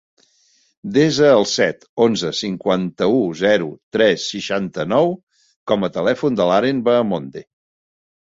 Desa el set, onze, cinquanta-u, zero, tres, seixanta-nou com a telèfon de l'Aren Bahamonde.